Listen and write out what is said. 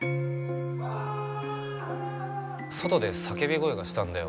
ああっ！外で叫び声がしたんだよ